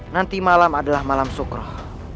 nanti malam adalah malam sukroh